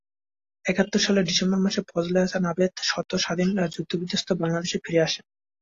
একাত্তর সালের ডিসেম্বর মাসে ফজলে হাসান আবেদ সদ্য স্বাধীন যুদ্ধবিধ্বস্ত বাংলাদেশে ফিরে আসেন।